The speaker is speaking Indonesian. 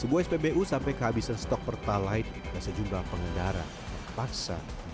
bbm jenis pertalite habis